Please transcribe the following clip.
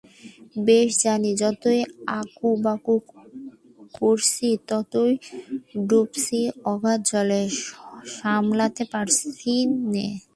বেশ জানি যতই আঁকুবাঁকু করছি ততই ডুবছি অগাধ জলে, সামলাতে পারছি নে।